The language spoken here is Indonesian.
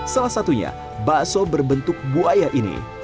salah satunya bakso berbentuk buaya ini